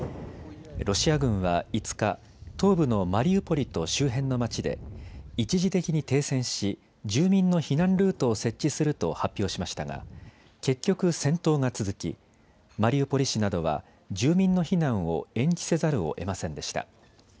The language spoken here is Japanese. ロシア軍は５日東部のマリウポリと周辺の町で一時的に停戦し住民の避難ルートを設置すると発表しましたが結局、戦闘が続き、マリウポリ市などは住民の避難を延期せざるをえませんでした。